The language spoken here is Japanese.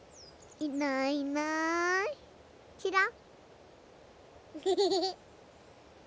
いないいないちらっ。